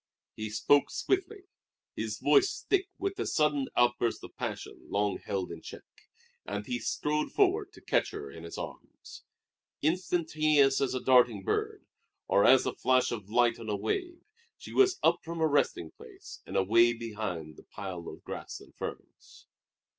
He spoke swiftly, his voice thick with the sudden outburst of passion long held in check; and he strode forward to catch her in his arms. Instantaneous as a darting bird, or a flash of light on a wave, she was up from her resting place and away behind the pile of grass and ferns.